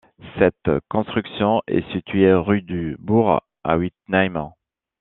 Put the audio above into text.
Cette construction est située rue du Bourg à Wittenheim.